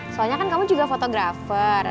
soalnya kan kamu juga fotografer